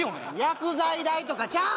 薬剤代とかちゃん？